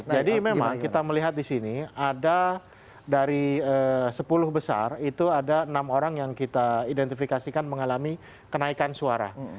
jadi memang kita melihat di sini ada dari sepuluh besar itu ada enam orang yang kita identifikasikan mengalami kenaikan suara